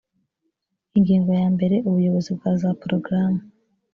ingingo ya mbere ubuyobozi bwa za programu